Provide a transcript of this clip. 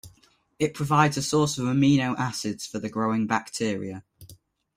It provides a source of amino acids for the growing bacteria.